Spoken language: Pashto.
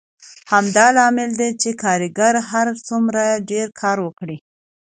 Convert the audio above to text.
همدا لامل دی چې کارګر هر څومره ډېر کار وکړي